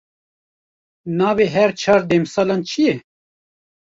Nevê her çar demsalan çi ye?